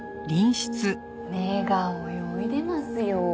目が泳いでますよ。